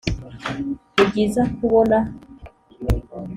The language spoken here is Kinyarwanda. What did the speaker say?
nibyiza kubona,